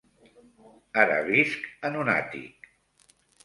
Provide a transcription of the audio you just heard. Ara visc en un àtic.